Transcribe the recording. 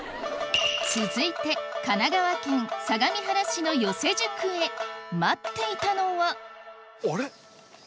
続いて神奈川県相模原市の与瀬宿へ待っていたのはあれ？